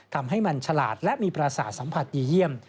ทำให้มันฉลาดและมีประสาทสัมผัสดีเยี่ยม